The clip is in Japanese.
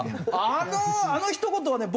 あのあのひと言はね